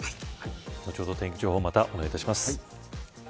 後ほど天気情報またお願いします。